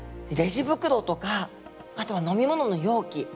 レジ袋とかあとは飲み物の容器